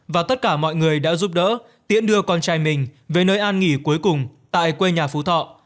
và tất cả mọi người đã giúp đỡ tiễn đưa con trai mình về nơi an nghỉ cuối cùng tại quê nhà phú thọ